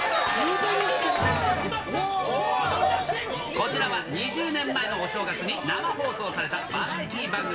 こちらは２０年前のお正月に生放送されたバラエティー番組。